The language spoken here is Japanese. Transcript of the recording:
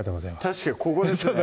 確かにここですね